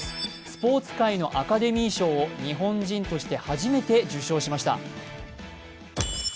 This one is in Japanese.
スポーツ界のアカデミー賞を日本人として初めて受賞しました。